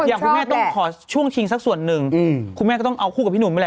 อย่างคุณแม่ต้องขอช่วงชิงสักส่วนหนึ่งคุณแม่ก็ต้องเอาคู่กับพี่หนุ่มนี่แหละ